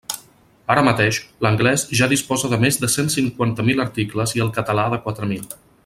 Ara mateix, l'anglès ja disposa de més de cent cinquanta mil articles i el català de quatre mil.